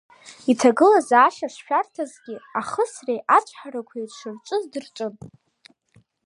Иҭагылазаашьа шшәарҭазгьы, ахысреи ацәҳарақәеи дшырҿыц дырҿын.